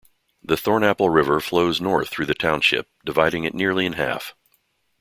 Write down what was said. The Thornapple River flows north through the township, dividing it nearly in half.